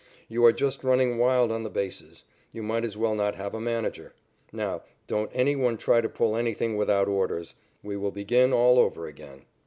You are just running wild on the bases. You might as well not have a manager. Now don't any one try to pull anything without orders. We will begin all over again."